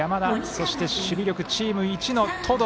そして守備力チームいちの登藤。